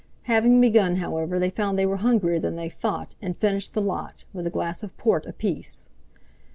Having begun, however, they found they were hungrier than they thought, and finished the lot, with a glass of port apiece.